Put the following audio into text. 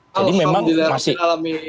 alhamdulillah amin amin ya rasulullah